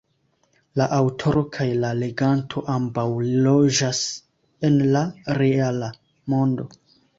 La aŭtoro kaj la leganto ambaŭ loĝas en la reala mondo.